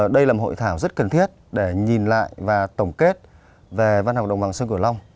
đây là một hội thảo rất cần thiết để nhìn lại và tổng kết về văn học đồng bằng sông cửu long